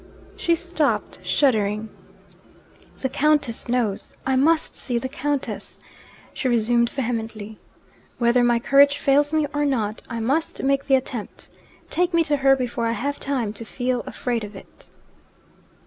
she stopped, shuddering. 'The Countess knows, I must see the Countess!' she resumed vehemently. 'Whether my courage fails me or not, I must make the attempt. Take me to her before I have time to feel afraid of it!'